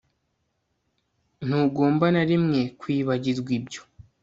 Ntugomba na rimwe kwibagirwa ibyo